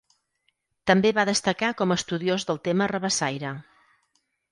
També va destacar com a estudiós del tema rabassaire.